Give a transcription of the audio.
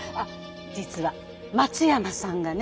実は松山さんがね。